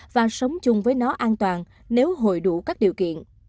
và sống chung với nó an toàn nếu hội đủ các điều kiện